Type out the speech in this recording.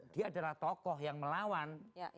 dia adalah tokoh yang melawan